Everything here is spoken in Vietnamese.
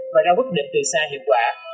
và ra quyết định từ xa hiệu quả